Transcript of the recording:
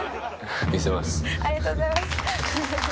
ありがとうございます。